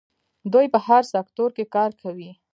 دوی په هر سکتور کې کار کوي.